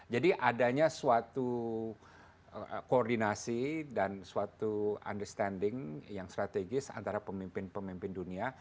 jadi adanya suatu koordinasi dan suatu understanding yang strategis antara pemimpin pemimpin dunia